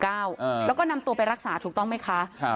แล้วก็นำตัวไปรักษาถูกต้องไหมคะ